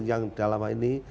yang dalam hal ini